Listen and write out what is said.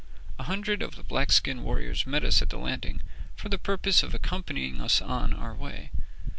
A hundred of the black skin warriors met us at the landing for the purpose of accompanying us on our way.